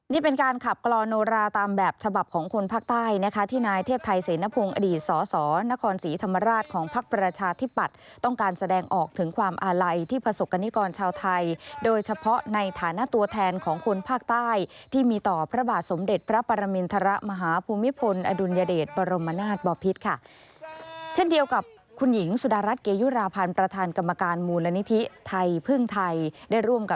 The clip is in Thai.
นี่เป็นการขับกลอนโนราตามแบบฉบับของคนภาคใต้นะคะที่นายเทพไทยเสนพงอดีตสสนครศรีธรรมราชของภักดิ์ประชาธิปัตย์ต้องการแสดงออกถึงความอาลัยที่ประสบกรณิกรชาวไทยโดยเฉพาะในฐานะตัวแทนของคนภาคใต้ที่มีต่อพระบาทสมเด็จพระปรมินทรมหาภูมิพลอดุลยเดชปรมานาทบอพิษค่